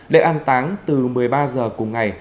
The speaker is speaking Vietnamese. lễ an táng từ một mươi ba h cùng ngày